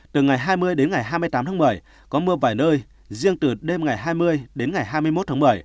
từ ngày hai mươi đến ngày hai mươi tám tháng một mươi có mưa vài nơi riêng từ đêm ngày hai mươi đến ngày hai mươi một tháng một mươi